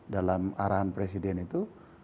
dalam arahan presiden itu